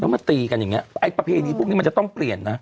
มาตีกันอย่างนี้ไอ้ประเพณีพวกนี้มันจะต้องเปลี่ยนนะ